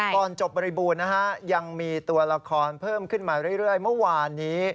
ก่อนจบบริบูรณ์นะฮะยังมีตัวละครเพิ่มขึ้นมาเรื่อยเมื่อวานนี้